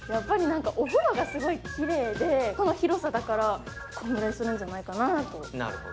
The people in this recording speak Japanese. お風呂がすごいきれいで、この広さだから、このぐらいするんじゃないかなと。